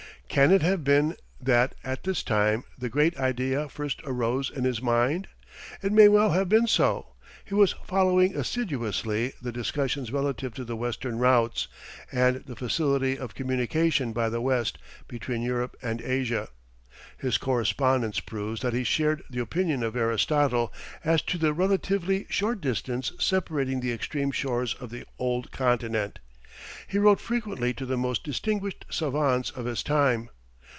Can it have been that at this time "the Great Idea" first arose in his mind? It may well have been so. He was following assiduously the discussions relative to the western routes, and the facility of communication by the west, between Europe and Asia. His correspondence proves that he shared the opinion of Aristotle as to the relatively short distance separating the extreme shores of the old Continent. He wrote frequently to the most distinguished savants of his time.